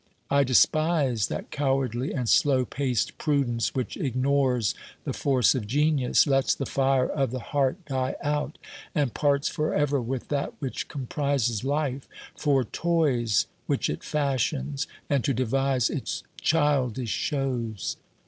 I despise that cowardly and slow paced prudence OBERMANN 189 which ignores the force of genius, lets the fire of the heart die out, and parts for ever with that which comprises life, for toys which it fashions, and to devise its childish shows.